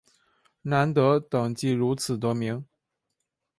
南德等即如此得名。